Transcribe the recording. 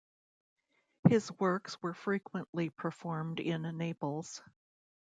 His works were frequently performed in Naples.